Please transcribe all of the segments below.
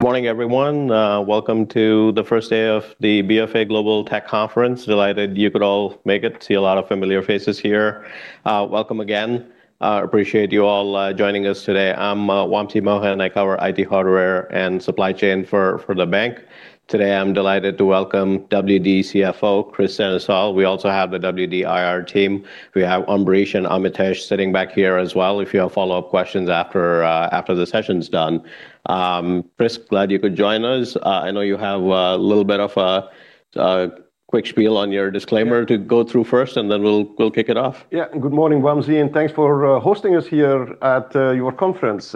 Morning, everyone. Welcome to the first day of the Bank of America Global Tech Conference. Delighted you could all make it. I see a lot of familiar faces here. Welcome again. Appreciate you all joining us today. I'm Wamsi Mohan, I cover IT hardware and supply chain for the bank. Today, I'm delighted to welcome Western Digital CFO, Kris Sennesael. We also have the Western Digital IR team. We have Ambrish and Amitesh sitting back here as well, if you have follow-up questions after the session's done. Kris, glad you could join us. I know you have a little bit of a quick spiel on your disclaimer to go through first, then we'll kick it off. Yeah. Good morning, Wamsi, thanks for hosting us here at your conference.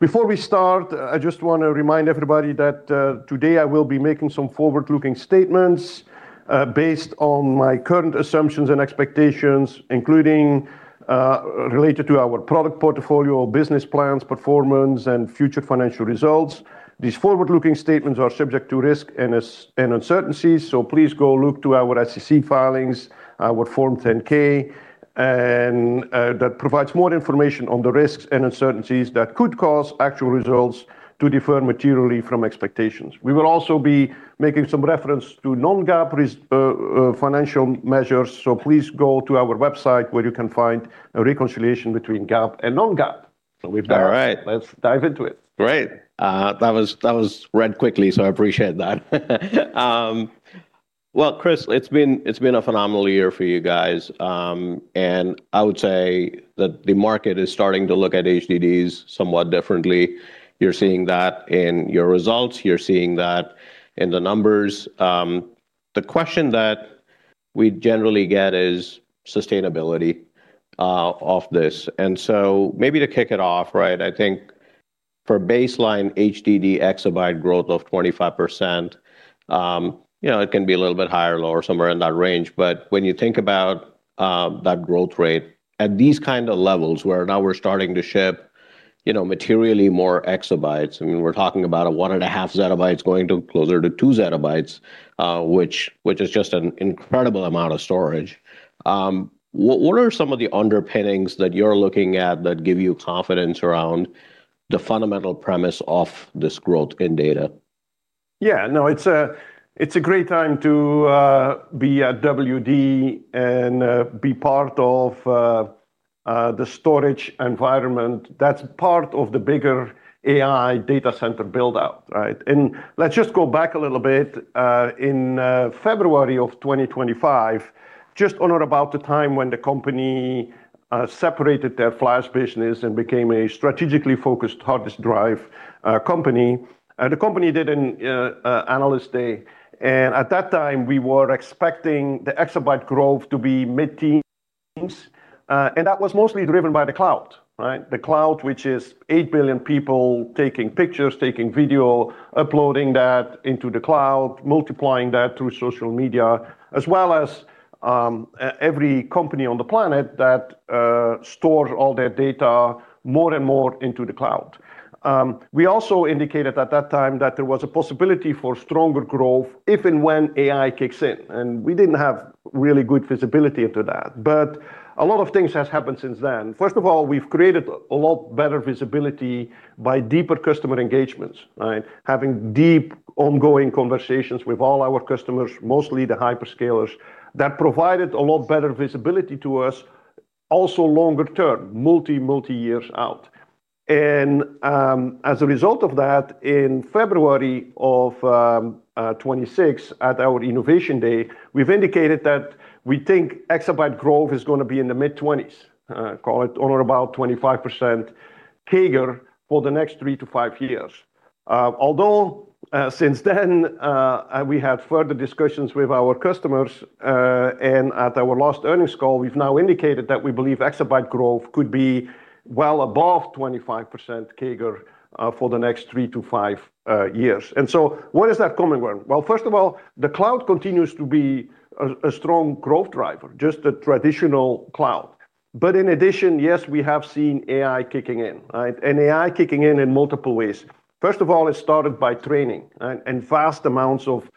Before we start, I just want to remind everybody that today I will be making some forward-looking statements based on my current assumptions and expectations, including related to our product portfolio, business plans, performance, and future financial results. These forward-looking statements are subject to risk and uncertainties, please go look to our SEC filings, our Form 10-K, that provides more information on the risks and uncertainties that could cause actual results to differ materially from expectations. We will also be making some reference to non-GAAP financial measures, please go to our website where you can find a reconciliation between GAAP and non-GAAP. All right. Let's dive into it. Great. That was read quickly, so I appreciate that. Kris, it's been a phenomenal year for you guys. I would say that the market is starting to look at HDDs somewhat differently. You're seeing that in your results. You're seeing that in the numbers. The question that we generally get is sustainability of this. Maybe to kick it off, I think for baseline HDD exabyte growth of 25%, it can be a little bit higher or lower, somewhere in that range. When you think about that growth rate at these levels, where now we're starting to ship materially more exabytes, we're talking about 1.5 ZB going to closer to two zettabytes, which is just an incredible amount of storage. What are some of the underpinnings that you're looking at that give you confidence around the fundamental premise of this growth in data? Yeah, no, it's a great time to be at WD and be part of the storage environment that's part of the bigger AI data center build-out. Let's just go back a little bit. In February of 2025, just around about the time when the company separated their flash business and became a strategically focused hard disk drive company, the company did an analyst day. At that time, we were expecting the exabyte growth to be mid-teens. That was mostly driven by the cloud. The cloud, which is 8 billion people taking pictures, taking video, uploading that into the cloud, multiplying that through social media, as well as every company on the planet that stores all their data more and more into the cloud. We also indicated at that time that there was a possibility for stronger growth if and when AI kicks in, and we didn't have really good visibility into that. A lot of things have happened since then. First of all, we've created a lot better visibility by deeper customer engagements. Having deep, ongoing conversations with all our customers, mostly the hyperscalers. That provided a lot better visibility to us, also longer-term, multi years out. As a result of that, in February of 2026, at our Innovation Day, we've indicated that we think exabyte growth is going to be in the mid-20s, call it around about 25% CAGR for the next three to five years. Since then, we had further discussions with our customers. At our last earnings call, we've now indicated that we believe exabyte growth could be well above 25% CAGR for the next three to five years. What is that coming from? Well, first of all, the cloud continues to be a strong growth driver, just the traditional cloud. In addition, yes, we have seen AI kicking in. AI kicking in in multiple ways. First of all, it started by training. Vast amounts of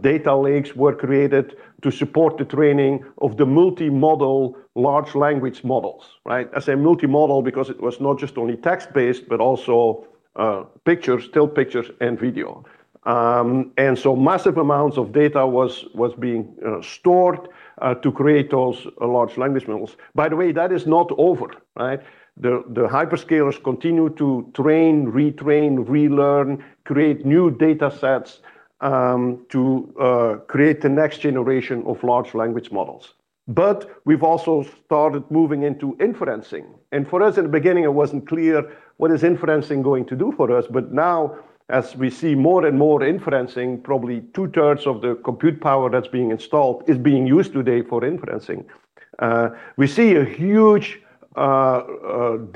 data lakes were created to support the training of the Multi-Modal Large Language Models. I say Multi-Modal because it was not just only text-based, but also pictures, still pictures, and video. Massive amounts of data was being stored to create those large language models. By the way, that is not over. The hyperscalers continue to train, retrain, relearn, create new data sets, to create the next generation of large language models. We've also started moving into inferencing. For us, in the beginning, it wasn't clear what is inferencing going to do for us. Now, as we see more and more inferencing, probably 2/3 of the compute power that's being installed is being used today for inferencing. We see a huge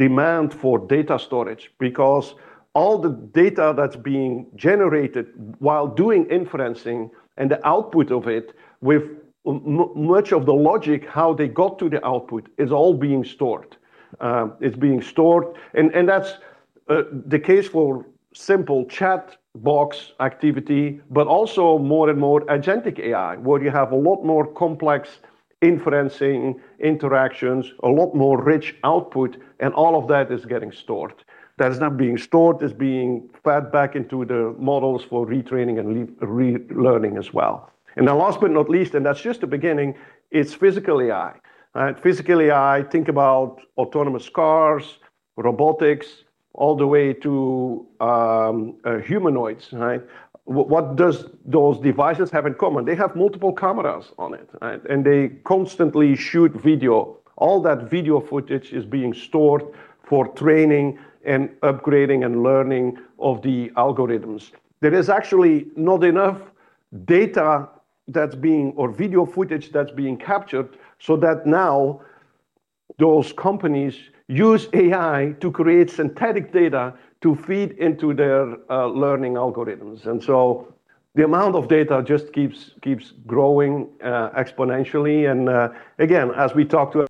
demand for data storage because all the data that's being generated while doing inferencing and the output of it, with much of the logic, how they got to the output, is all being stored. It's being stored, and that's the case for simple chatbot activity, but also more and more Agentic AI, where you have a lot more complex inferencing interactions, a lot more rich output, and all of that is getting stored. That is not being stored, it's being fed back into the models for retraining and relearning as well. Last but not least, and that's just the beginning, it's Physical AI. Physical AI, think about autonomous cars, robotics, all the way to humanoids. What does those devices have in common? They have multiple cameras on it, and they constantly shoot video. All that video footage is being stored for training and upgrading and learning of the algorithms. There is actually not enough data or video footage that's being captured, so that now those companies use AI to create Synthetic Data to feed into their learning algorithms. The amount of data just keeps growing exponentially. Again, as we talk to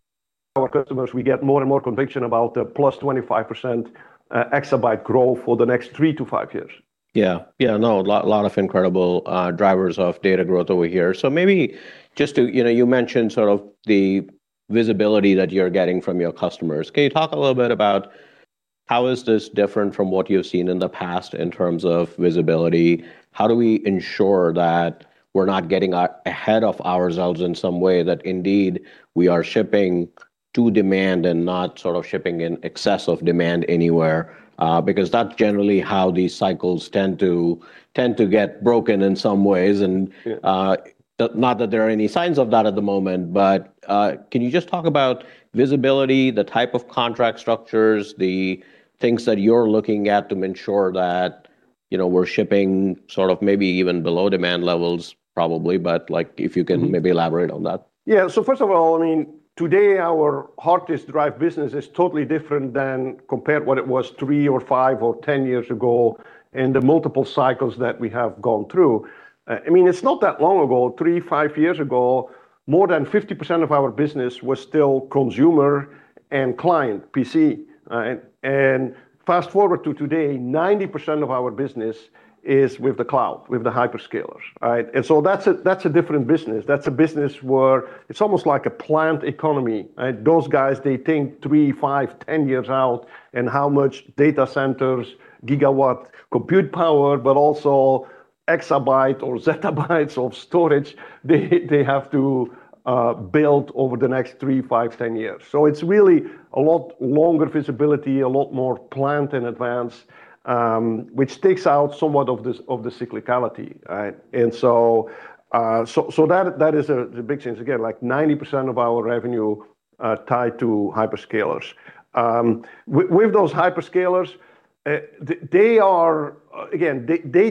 our customers, we get more and more conviction about the +25% exabyte growth for the next three to five years. Yeah. No, a lot of incredible drivers of data growth over here. Maybe you mentioned the visibility that you're getting from your customers. Can you talk a little bit about how is this different from what you've seen in the past in terms of visibility? How do we ensure that we're not getting ahead of ourselves in some way, that indeed we are shipping to demand and not shipping in excess of demand anywhere? That's generally how these cycles tend to get broken in some ways. Sure not that there are any signs of that at the moment, but, can you just talk about visibility, the type of contract structures, the things that you're looking at to ensure that we're shipping maybe even below demand levels, probably? If you can maybe elaborate on that. Yeah. First of all, today our hard disk drive business is totally different than compared what it was three or five or 10 years ago, and the multiple cycles that we have gone through. It's not that long ago, three, five years ago, more than 50% of our business was still consumer and client PC. Fast-forward to today, 90% of our business is with the cloud, with the hyperscalers. That's a different business. That's a business where it's almost like a planned economy. Those guys, they think three, five, 10 years out and how much data centers, gigawatt compute power, but also exabyte or zettabytes of storage they have to build over the next three, five, 10 years. It's really a lot longer visibility, a lot more planned in advance, which takes out somewhat of the cyclicality. That is the big change. 90% of our revenue tied to hyperscalers. With those hyperscalers, they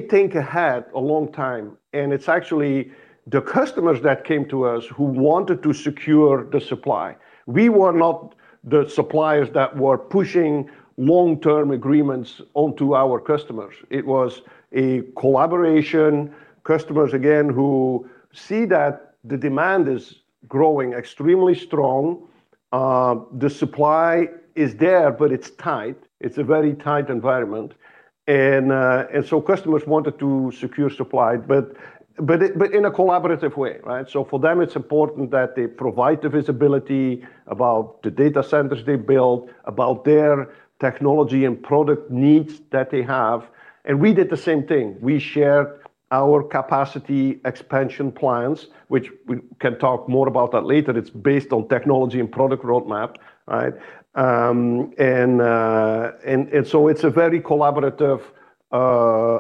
think ahead a long time, it's actually the customers that came to us who wanted to secure the supply. We were not the suppliers that were pushing Long-Term Agreements onto our customers. It was a collaboration. Customers who see that the demand is growing extremely strong. The supply is there, it's tight. It's a very tight environment. Customers wanted to secure supply, in a collaborative way. For them, it's important that they provide the visibility about the data centers they build, about their technology and product needs that they have, we did the same thing. We shared our capacity expansion plans, which we can talk more about that later. It's based on technology and product roadmap. It's a very collaborative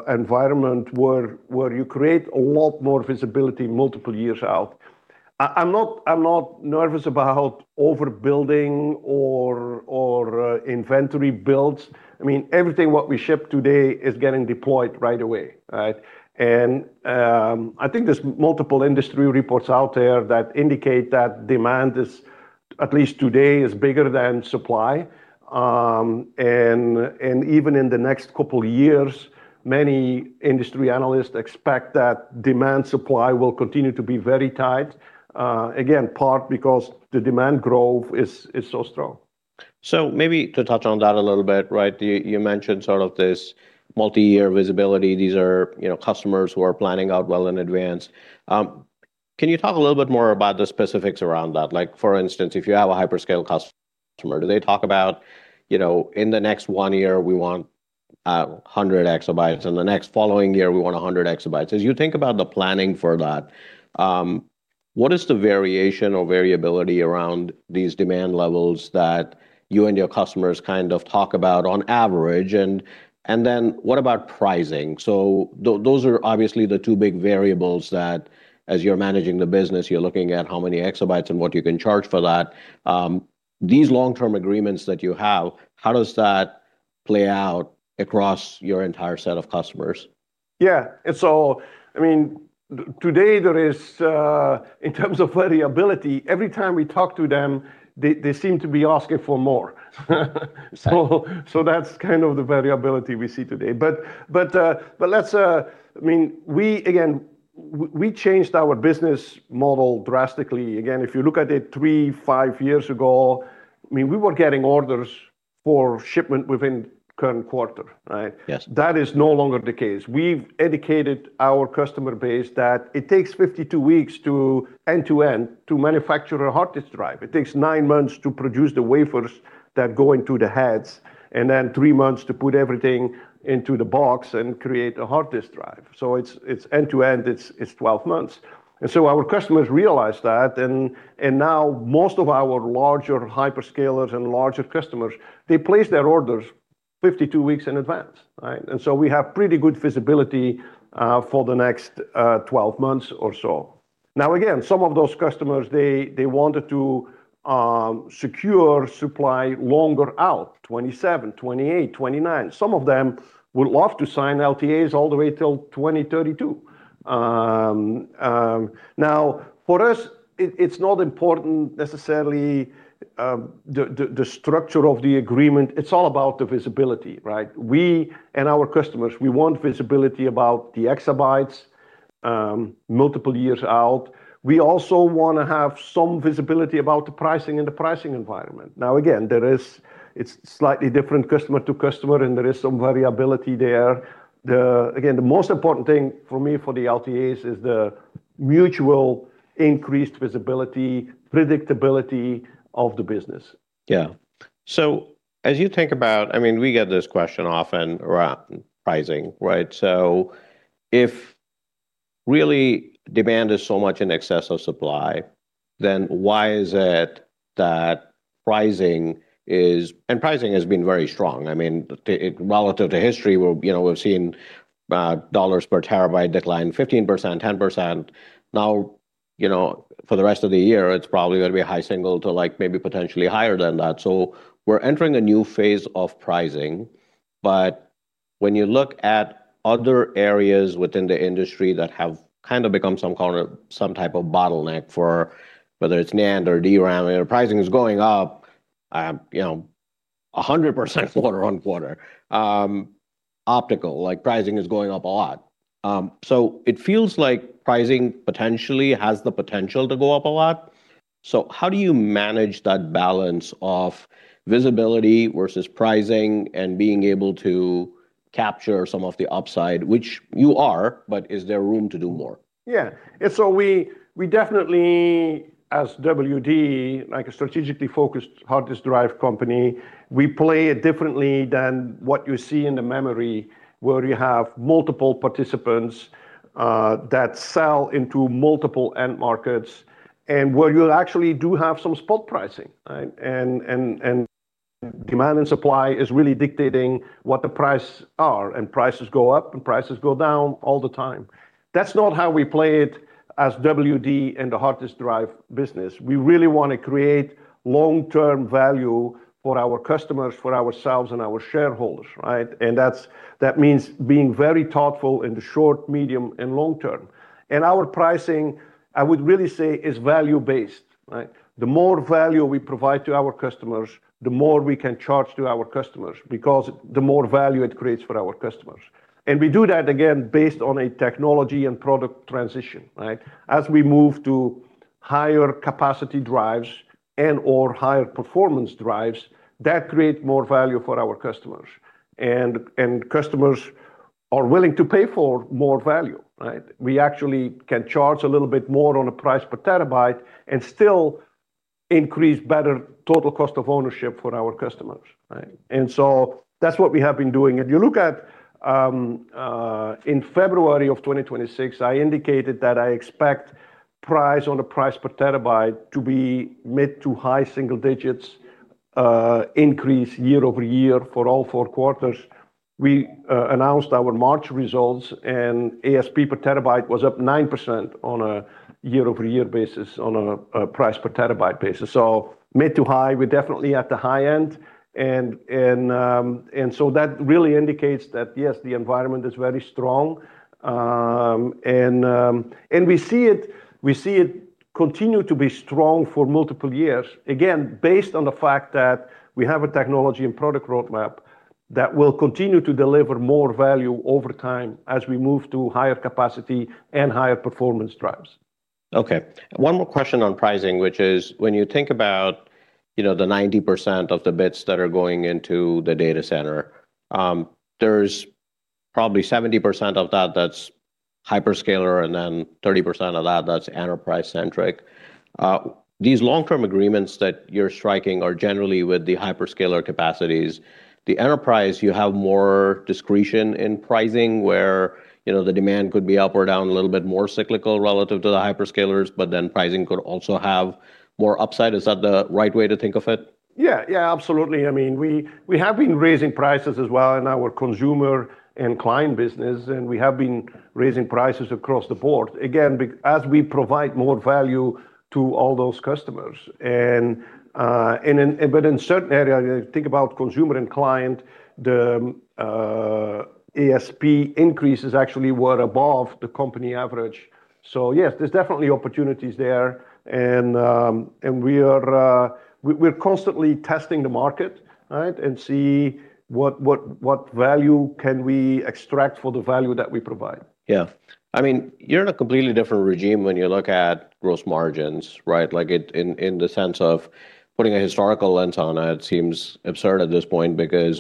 environment where you create a lot more visibility multiple years out. I'm not nervous about overbuilding or inventory builds. Everything what we ship today is getting deployed right away. I think there's multiple industry reports out there that indicate that demand is, at least today, is bigger than supply. Even in the next couple of years, many industry analysts expect that demand supply will continue to be very tight. Again, part because the demand growth is so strong. Maybe to touch on that a little bit. You mentioned this multi-year visibility. These are customers who are planning out well in advance. Can you talk a little bit more about the specifics around that? For instance, if you have a hyperscale customer, do they talk about, "In the next one year, we want 100 exabytes. In the next following year, we want 100 exabytes." As you think about the planning for that, what is the variation or variability around these demand levels that you and your customers talk about on average, and then what about pricing? Those are obviously the two big variables that as you're managing the business, you're looking at how many exabytes and what you can charge for that. These Long-Term Agreements that you have, how does that play out across your entire set of customers? Yeah. Today, in terms of variability, every time we talk to them, they seem to be asking for more. Right. That's the variability we see today. We changed our business model drastically. If you look at it three, five years ago, we were getting orders for shipment within current quarter, right? Yes. That is no longer the case. We've educated our customer base that it takes 52 weeks, end to end, to manufacture a hard disk drive. It takes nine months to produce the wafers that go into the heads, three months to put everything into the box and create a hard disk drive. End to end, it's 12 months. Our customers realize that, and now most of our larger hyperscalers and larger customers, they place their orders 52 weeks in advance. Right? We have pretty good visibility for the next 12 months or so. Again, some of those customers, they wanted to secure supply longer out, 2027, 2028, 2029. Some of them would love to sign LTAs all the way till 2032. For us, it's not important necessarily, the structure of the agreement. It's all about the visibility, right? We and our customers, we want visibility about the exabytes, multiple years out. We also want to have some visibility about the pricing and the pricing environment. Now again, it's slightly different customer to customer, and there is some variability there. Again, the most important thing for me for the LTAs is the mutual increased visibility, predictability of the business. Yeah. As you think about, we get this question often around pricing, right? If really demand is so much in excess of supply, then why is it that pricing has been very strong. Relative to history, we've seen dollars per terabyte decline 15%, 10%. Now, for the rest of the year, it's probably going to be a high single to maybe potentially higher than that. We're entering a new phase of pricing. When you look at other areas within the industry that have kind of become some type of bottleneck for, whether it's NAND or DRAM, and their pricing is going up, 100% quarter-on-quarter. Optical pricing is going up a lot. It feels like pricing potentially has the potential to go up a lot. How do you manage that balance of visibility versus pricing and being able to capture some of the upside, which you are, but is there room to do more? Yeah. We definitely, as WD, like a strategically-focused hard disk drive company, we play it differently than what you see in the memory, where you have multiple participants that sell into multiple end markets, and where you actually do have some spot pricing, right? Demand and supply is really dictating what the price are, and prices go up and prices go down all the time. That's not how we play it as WD in the hard disk drive business. We really want to create long-term value for our customers, for ourselves, and our shareholders, right? That means being very thoughtful in the short, medium, and long term. Our pricing, I would really say, is value-based, right? The more value we provide to our customers, the more we can charge to our customers because the more value it creates for our customers. We do that, again, based on a technology and product transition, right? As we move to higher capacity drives and/or higher performance drives, that create more value for our customers. Customers are willing to pay for more value, right? We actually can charge a little bit more on a price per terabyte and still increase better Total Cost of Ownership for our customers, right? That's what we have been doing. If you look at in February of 2026, I indicated that I expect price on a price per terabyte to be mid to high single digits increase year-over-year for all four quarters. We announced our March results, and ASP per terabyte was up 9% on a year-over-year basis on a price per terabyte basis. Mid to high, we're definitely at the high end. That really indicates that yes, the environment is very strong. We see it continue to be strong for multiple years, again, based on the fact that we have a technology and product roadmap that will continue to deliver more value over time as we move to higher capacity and higher performance drives. One more question on pricing, which is when you think about the 90% of the bits that are going into the data center, there's probably 70% of that that's hyperscaler, and then 30% of that that's enterprise centric. These Long-Term Agreements that you're striking are generally with the hyperscaler capacities. The enterprise, you have more discretion in pricing, where the demand could be up or down a little bit more cyclical relative to the hyperscalers. Pricing could also have more upside. Is that the right way to think of it? Yeah, absolutely. We have been raising prices as well in our consumer and client business, and we have been raising prices across the board, again, as we provide more value to all those customers. In certain areas, think about consumer and client, the ASP increases actually were above the company average. Yes, there's definitely opportunities there, and we're constantly testing the market, right? See what value can we extract for the value that we provide. Yeah. You're in a completely different regime when you look at gross margins, right? Like in the sense of putting a historical lens on, it seems absurd at this point, because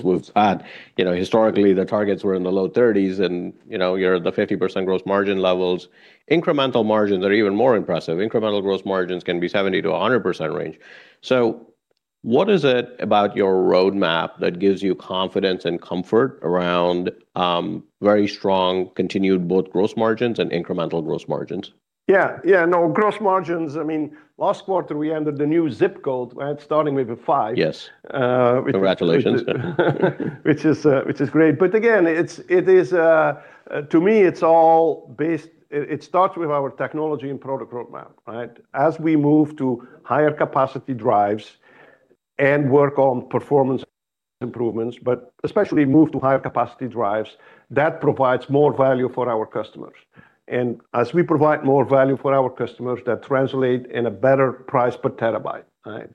historically, the targets were in the low 30s and you're at the 50% gross margin levels. Incremental margins are even more impressive. Incremental gross margins can be 70-100% range. What is it about your roadmap that gives you confidence and comfort around very strong continued both gross margins and incremental gross margins? Yeah. No gross margins. Last quarter, we entered the new ZIP code, right, starting with a five. Yes. Congratulations. Which is great. Again, to me, it starts with our technology and product roadmap, right? As we move to higher capacity drives and work on performance improvements, but especially move to higher capacity drives, that provides more value for our customers. As we provide more value for our customers, that translate in a better price per terabyte, right?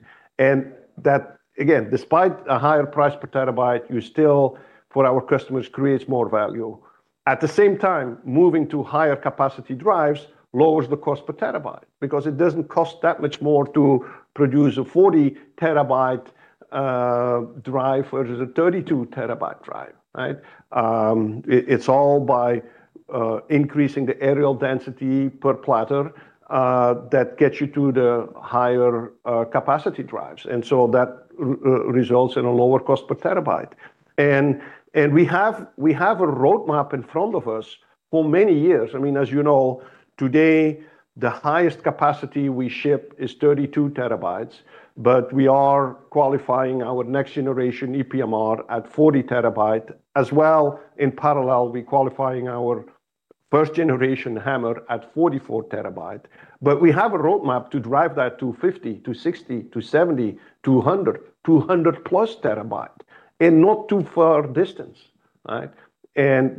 That, again, despite a higher price per terabyte, you still, for our customers, creates more value. At the same time, moving to higher capacity drives lowers the cost per terabyte because it doesn't cost that much more to produce a 40-terabyte drive versus a 32-terabyte drive, right? It's all by increasing the areal density per platter, that gets you to the higher capacity drives. That results in a lower cost per terabyte. We have a roadmap in front of us for many years. As you know, today, the highest capacity we ship is 32 terabytes. We are qualifying our next generation ePMR at 40 terabyte, as well, in parallel, we're qualifying our first-generation HAMR at 44 terabyte. We have a roadmap to drive that to 50, to 60, to 70, to 100, to 100-plus terabyte in not too far distance, right?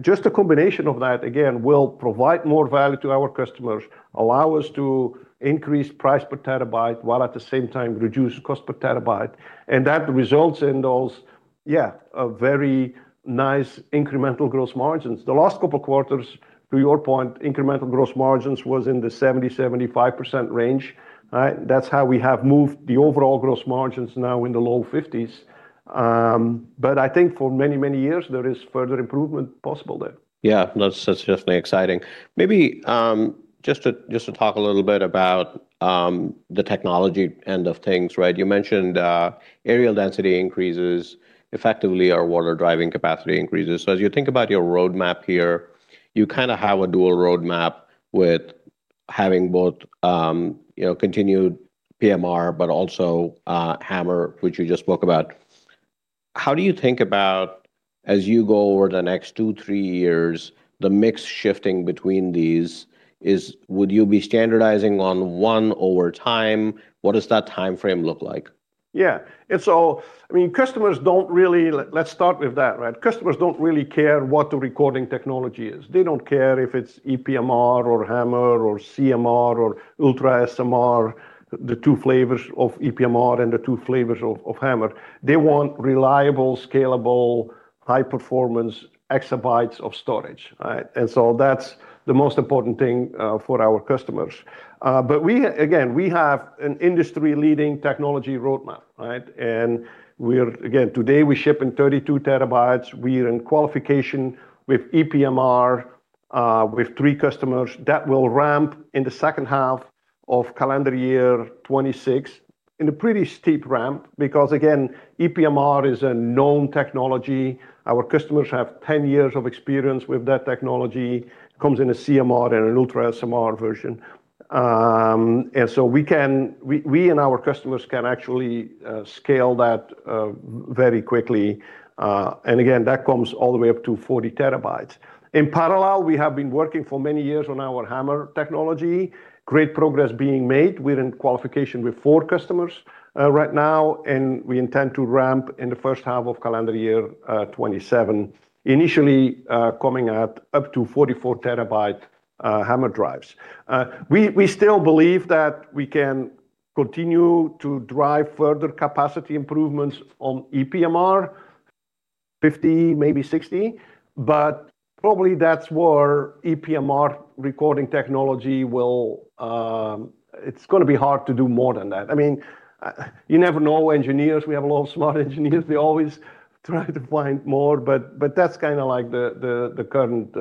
Just a combination of that, again, will provide more value to our customers, allow us to increase price per terabyte, while at the same time reduce cost per terabyte, and that results in those, yeah, very nice incremental gross margins. The last couple of quarters, to your point, incremental gross margins was in the 70%-75% range, right? That's how we have moved the overall gross margins now in the low 50s. I think for many years, there is further improvement possible there. Yeah. No, that's definitely exciting. Maybe, just to talk a little bit about the technology end of things, right? You mentioned areal density increases, effectively our hard drive capacity increases. As you think about your roadmap here, you have a dual roadmap with having both continued ePMR, but also HAMR, which we just spoke about. How do you think about, as you go over the next two, three years, the mix shifting between these, would you be standardizing on one over time? What does that timeframe look like? Yeah. Let's start with that, right? Customers don't really care what the recording technology is. They don't care if it's ePMR or HAMR or CMR or UltraSMR, the two flavors of ePMR and the two flavors of HAMR. They want reliable, scalable, high performance exabytes of storage, right? That's the most important thing for our customers. Again, we have an industry-leading technology roadmap, right? Again, today, we're shipping 32 terabytes. We are in qualification with ePMR, with three customers that will ramp in the second half of calendar year 2026 in a pretty steep ramp. Again, ePMR is a known technology. Our customers have 10 years of experience with that technology. It comes in a CMR and an UltraSMR version. We and our customers can actually scale that very quickly. Again, that comes all the way up to 40 TB. In parallel, we have been working for many years on our HAMR technology, great progress being made. We're in qualification with four customers right now, and we intend to ramp in the first half of calendar year 2027, initially, coming at up to 44-TB HAMR drives. We still believe that we can continue to drive further capacity improvements on ePMR, 50, maybe 60. Probably that's where ePMR recording technology. It's going to be hard to do more than that. You never know engineers. We have a lot of smart engineers. They always try to find more, that's the current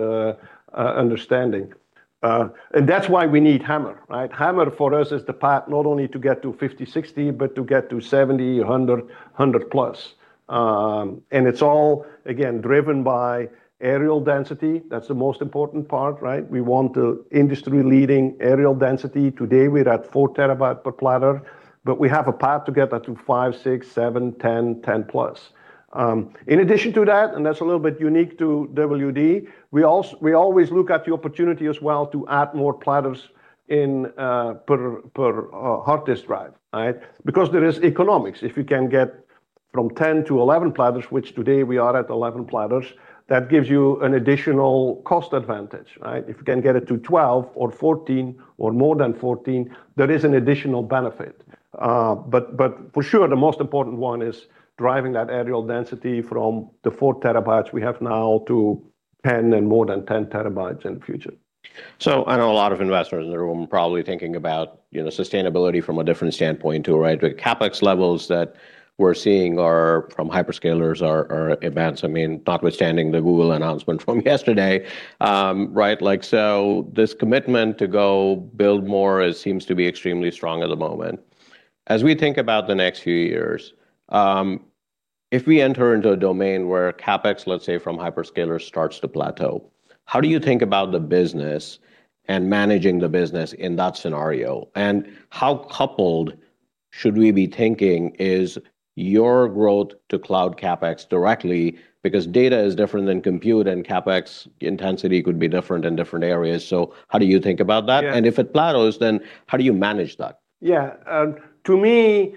understanding. That's why we need HAMR, right? HAMR for us is the path not only to get to 50, 60, but to get to 70, 100+. It's all, again, driven by areal density. That's the most important part, right? We want the industry-leading areal density. Today, we're at 4 TB per platter, but we have a path to get that to 5, 6, 7, 10+. In addition to that, and that's a little bit unique to WD, we always look at the opportunity as well to add more platters per hard disk drive, right? Because there is economics. From 10 to 11 platters, which today we are at 11 platters, that gives you an additional cost advantage. If you can get it to 12 or 14 or more than 14, there is an additional benefit. But for sure, the most important one is driving that areal density from the 4 TB we have now to 10 and more than 10 TB in the future. I know a lot of investors in the room are probably thinking about sustainability from a different standpoint, too. The CapEx levels that we're seeing from hyperscalers are advanced. Notwithstanding the Google announcement from yesterday. This commitment to go build more seems to be extremely strong at the moment. As we think about the next few years, if we enter into a domain where CapEx, let's say from hyperscalers, starts to plateau, how do you think about the business and managing the business in that scenario? How coupled should we be thinking is your growth to cloud CapEx directly? Because data is different than compute, and CapEx intensity could be different in different areas. How do you think about that? Yeah. If it plateaus, then how do you manage that? Yeah. To me,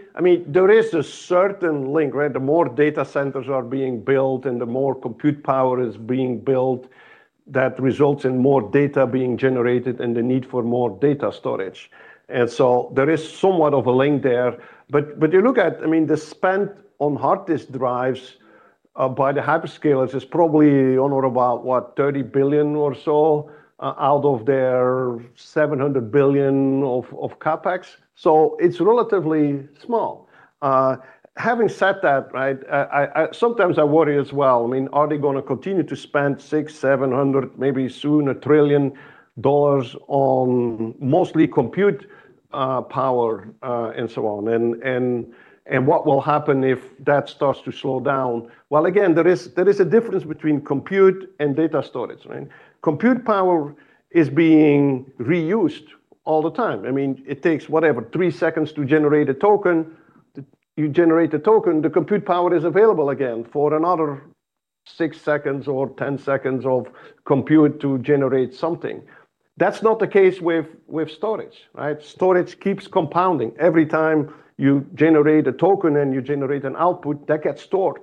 there is a certain link. The more data centers are being built and the more compute power is being built, that results in more data being generated and the need for more data storage. There is somewhat of a link there. You look at the spend on hard disk drives by the hyperscalers is probably on or about, what, $30 billion or so out of their $700 billion of CapEx. It's relatively small. Having said that, sometimes I worry as well. Are they going to continue to spend $600 billion, $700 billion, maybe soon $1 trillion on mostly compute power and so on? What will happen if that starts to slow down? Again, there is a difference between compute and data storage. Compute power is being reused all the time. It takes, whatever, three seconds to generate a token. You generate a token, the compute power is available again for another six seconds or 10 seconds of compute to generate something. That's not the case with storage. Storage keeps compounding. Every time you generate a token and you generate an output, that gets stored.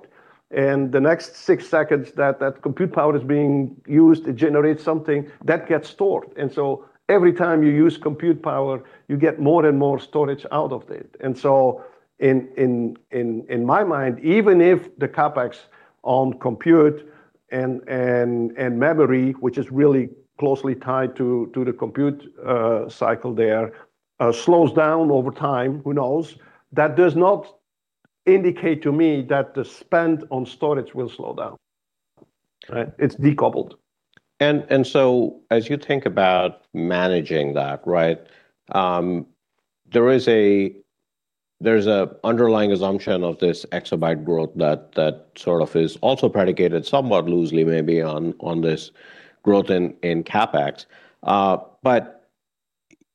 The next six seconds that that compute power is being used to generate something, that gets stored. Every time you use compute power, you get more and more storage out of it. In my mind, even if the CapEx on compute and memory, which is really closely tied to the compute cycle there, slows down over time, who knows? That does not indicate to me that the spend on storage will slow down. It's decoupled. As you think about managing that, there's an underlying assumption of this exabyte growth that sort of is also predicated somewhat loosely maybe on this growth in CapEx.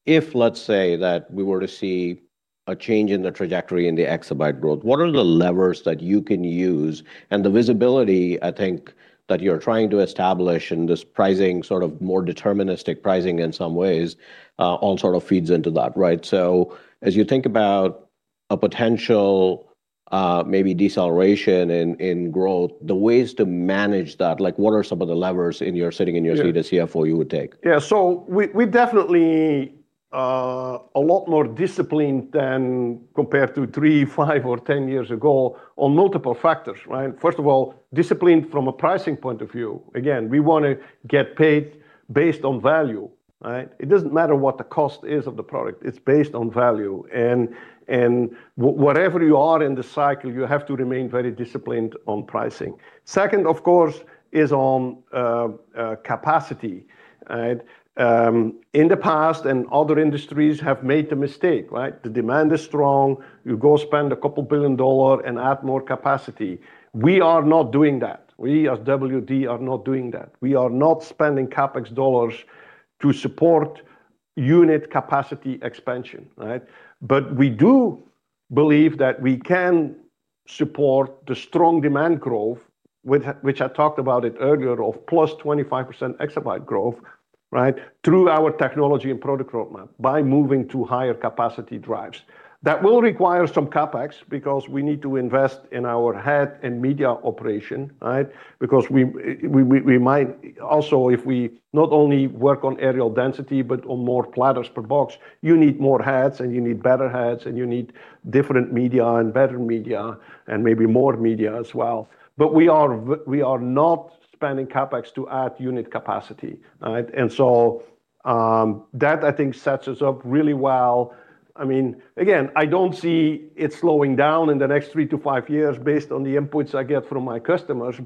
If, let's say, that we were to see a change in the trajectory in the exabyte growth, what are the levers that you can use? The visibility, I think, that you're trying to establish in this pricing, sort of more deterministic pricing in some ways, all sort of feeds into that. As you think about a potential maybe deceleration in growth, the ways to manage that, what are some of the levers, sitting in your seat as CFO, you would take? Yeah. We're definitely a lot more disciplined than compared to three, five, or 10 years ago on multiple factors. First of all, discipline from a pricing point of view. Again, we want to get paid based on value. It doesn't matter what the cost is of the product. It's based on value. Wherever you are in the cycle, you have to remain very disciplined on pricing. Second, of course, is on capacity. In the past, other industries have made the mistake. The demand is strong. You go spend $2 billion and add more capacity. We are not doing that. We, as WD, are not doing that. We are not spending CapEx dollars to support unit capacity expansion. We do believe that we can support the strong demand growth, which I talked about it earlier, of +25% exabyte growth, through our technology and product roadmap by moving to higher capacity drives. That will require some CapEx because we need to invest in our head and media operation. Also, if we not only work on areal density, but on more platters per box, you need more heads, and you need better heads, and you need different media and better media, and maybe more media as well. We are not spending CapEx to add unit capacity. That, I think, sets us up really well. Again, I don't see it slowing down in the next 3-5 years based on the inputs I get from my customers.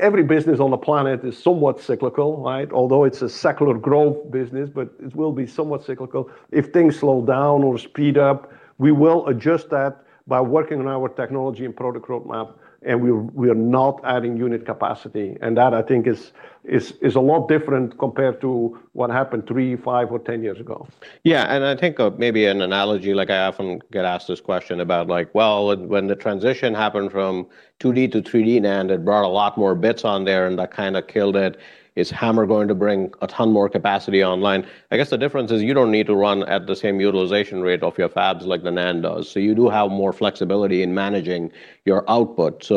Every business on the planet is somewhat cyclical. Although it's a secular growth business, but it will be somewhat cyclical. If things slow down or speed up, we will adjust that by working on our technology and product roadmap, and we are not adding unit capacity. That, I think, is a lot different compared to what happened three, five, or 10 years ago. Yeah, I think of maybe an analogy, like I often get asked this question about, well, when the transition happened from 2D to 3D NAND, it brought a lot more bits on there, and that kind of killed it. Is HAMR going to bring a ton more capacity online? I guess the difference is you don't need to run at the same utilization rate of your fabs like the NAND does. You do have more flexibility in managing your output.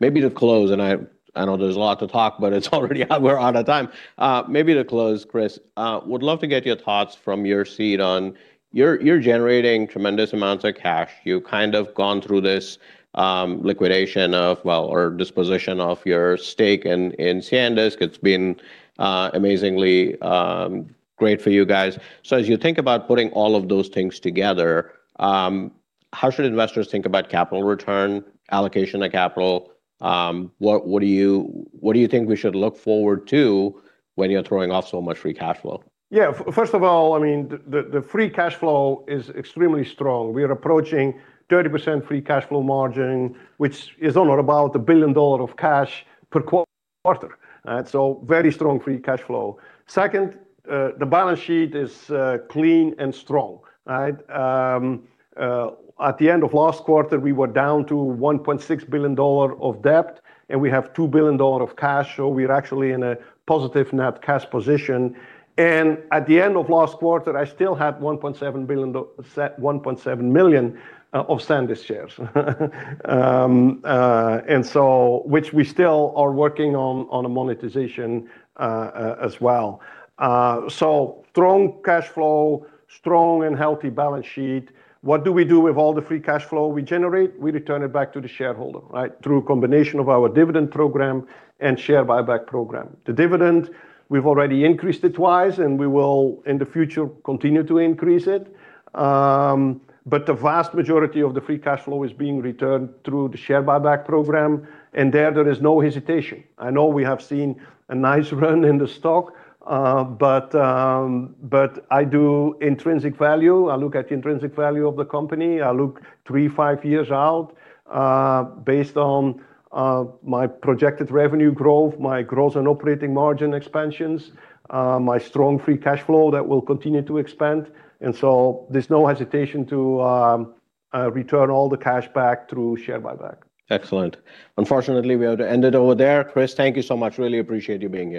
Maybe to close, I know there's a lot to talk, it's already we're out of time. Maybe to close, Kris, would love to get your thoughts from your seat on you're generating tremendous amounts of cash. You've kind of gone through this liquidation of, well, or disposition of your stake in SanDisk. It's been amazingly great for you guys. As you think about putting all of those things together, how should investors think about capital return, allocation of capital? What do you think we should look forward to when you're throwing off so much Free Cash Flow? Yeah. First of all, the Free Cash Flow is extremely strong. We are approaching 30% Free Cash Flow margin, which is about $1 billion of cash per quarter. Very strong Free Cash Flow. Second, the balance sheet is clean and strong. At the end of last quarter, we were down to $1.6 billion of debt, and we have $2 billion of cash. We're actually in a positive net cash position. At the end of last quarter, I still had 1.7 million of SanDisk shares. Which we still are working on a monetization as well. Strong cash flow, strong and healthy balance sheet. What do we do with all the Free Cash Flow we generate? We return it back to the shareholder. Through a combination of our dividend program and share buyback program. The dividend, we've already increased it twice, and we will, in the future, continue to increase it. The vast majority of the Free Cash Flow is being returned through the share buyback program, and there is no hesitation. I know we have seen a nice run in the stock. I do intrinsic value. I look at the intrinsic value of the company. I look three, five years out, based on my projected revenue growth, my gross and operating margin expansions, my strong Free Cash Flow that will continue to expand. There's no hesitation to return all the cash back through share buyback. Excellent. Unfortunately, we have to end it over there. Kris, thank you so much. Really appreciate you being here.